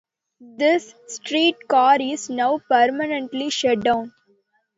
This streetcar is now permanently shut down.